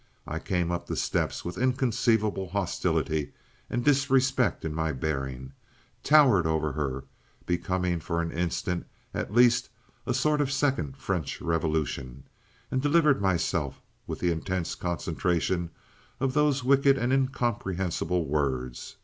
I came up the steps with inconceivable hostility and disrespect in my bearing, towered over her, becoming for an instant at least a sort of second French Revolution, and delivered myself with the intensest concentration of those wicked and incomprehensible words.